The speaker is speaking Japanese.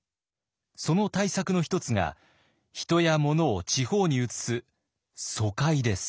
その対策の一つが人や物を地方に移す疎開です。